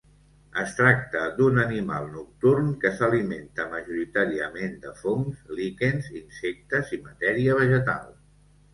Es tracta d'un animal nocturn que s'alimenta majoritàriament de fongs, líquens, insectes i matèria vegetal.